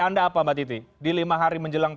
anda apa mbak titi di lima hari menjelang